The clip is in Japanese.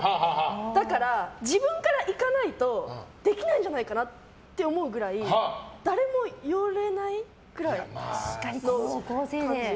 だから、自分からいかないとできないんじゃないかなって思うくらい誰も言われないくらいの感じ。